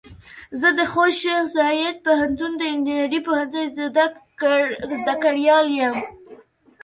زه د خوست شیخ زايد پوهنتون د انجنیري پوهنځۍ زده کړيال يم.